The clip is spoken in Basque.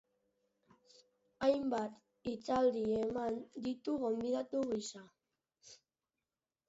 Hainbat hitzaldi eman ditu gonbidatu gisa.